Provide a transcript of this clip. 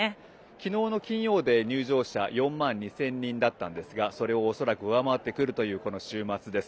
昨日の金曜で入場者は４万２０００人だったんですがそれを恐らく上回ってくるという週末です。